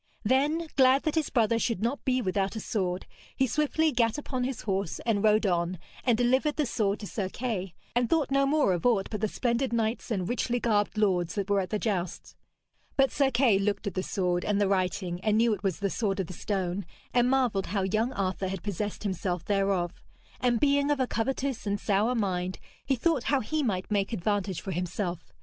Then, glad that his brother should not be without a sword, he swiftly gat upon his horse and rode on, and delivered the sword to Sir Kay, and thought no more of aught but the splendid knights and richly garbed lords that were at the jousts. But Sir Kay looked at the sword, and the writing, and knew it was the sword of the stone, and marvelled how young Arthur had possessed himself thereof; and being of a covetous and sour mind he thought how he might make advantage for himself.